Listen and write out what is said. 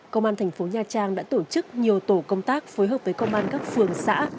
công an thành phố nha trang đã tổ chức nhiều tổ công tác phối hợp với công an các phường xã